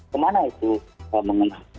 kemana itu mengenal